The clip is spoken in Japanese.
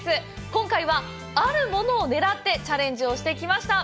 今回は、あるものを狙ってチャレンジをしてきました。